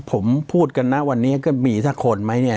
ผมพูดกันนะวันนี้ก็มีสักคนไหมเนี่ย